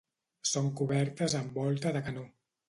Són cobertes amb volta de canó.